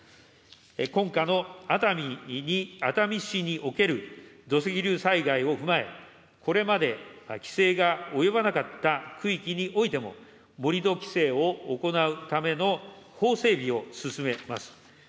今夏の熱海市における土石流災害を踏まえ、これまで規制が及ばなかった区域においても、盛り土規制を行うための法整備を進めます。